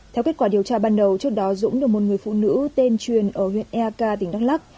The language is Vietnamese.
theo kết quả điều tra ban đầu trước đó dũng được một người phụ nữ tên truyền ở huyện eak tỉnh đắk lắc